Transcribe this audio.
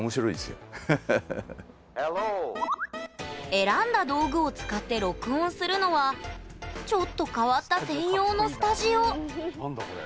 選んだ道具を使って録音するのはちょっと変わった専用のスタジオ何だこれ。